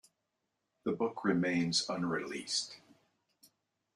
The book remains unreleased.